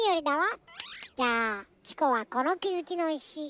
じゃあチコはこのきづきのいし